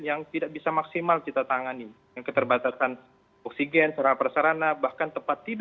yang tidak bisa maksimal kita tangani keterbatasan oksigen serah persarana bahkan tempat tiba tiba